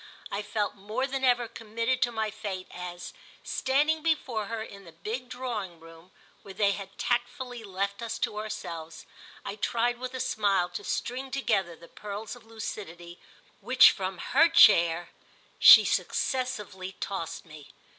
I felt more than ever committed to my fate as, standing before her in the big drawing room where they had tactfully left us to ourselves, I tried with a smile to string together the pearls of lucidity which, from her chair, she successively tossed me.